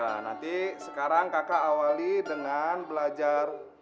nah nanti sekarang kakak awali dengan belajar